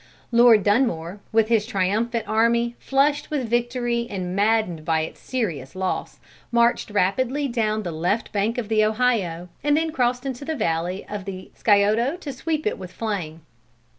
Lord Dunmore, with his triumphant army flushed with victory and maddened by its serious loss, marched rapidly down the left bank of the Ohio, and then crossed into the valley of the Scioto to sweep it with flame.